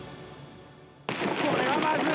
これはまずい！